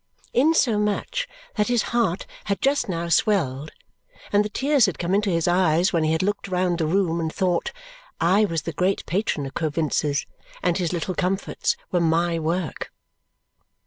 Insomuch that his heart had just now swelled and the tears had come into his eyes when he had looked round the room and thought, "I was the great patron of Coavinses, and his little comforts were MY work!"